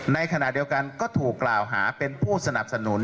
ในขณะเดียวกันก็ถูกกล่าวหาเป็นผู้สนับสนุน